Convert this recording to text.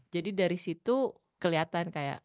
jadi dari situ keliatan kayak